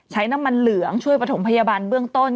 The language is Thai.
ใช้น้ำมันเหลืองช่วยประถมพยาบาลเบื้องต้น